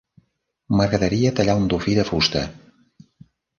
M'agradaria tallar un dofí de fusta.